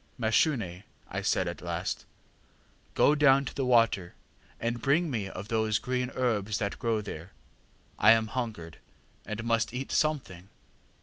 ŌĆ£ŌĆśMashune, ŌĆÖ I said at last, ŌĆśgo down to the water and bring me of those green herbs that grow there. I am hungered, and must eat something.